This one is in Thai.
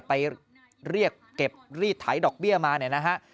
ไปเรียกเก็บรีดไถดอกเบี้ยมาเนี่ยนะฮะ